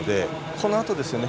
このあとですね。